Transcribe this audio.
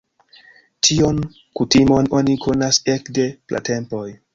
Tion kutimon oni konas ekde pratempoj.